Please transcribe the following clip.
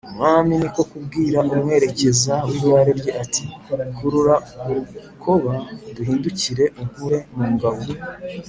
Umwami ni ko kubwira umwerekeza w’igare rye ati “Kurura urukoba duhindukire unkure mu ngabo